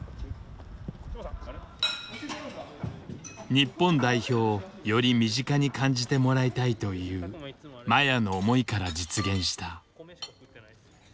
日本代表をより身近に感じてもらいたいという麻也の思いから実現した。